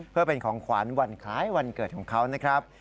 เพื่อเป็นของขวัญวันคล้ายวันเกิดของเขานะครับ